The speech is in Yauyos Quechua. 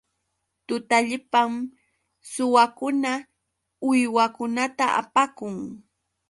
Tutallpam suwakuna uywakunata apakun.